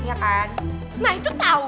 iya kan nah itu tau